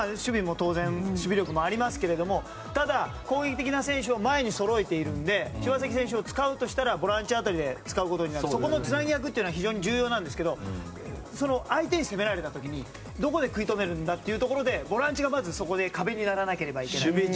当然、守備力もありますけどただ、攻撃的な選手を前にそろえているので柴崎選手を使うとしたらボランチ辺りで使うことになるのでそこのつなぎ役が非常に重要なんですけど相手に攻められた時にどこで食い止めるんだというところでボランチがそこで壁にならなければいけない。